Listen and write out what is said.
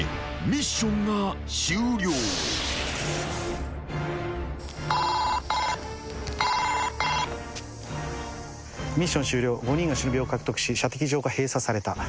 ミッション終了５人が忍を獲得し射的場が閉鎖された。